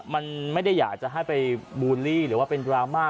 มันไม่ได้อยากจะให้ไปบูลลี่หรือว่าเป็นดราม่า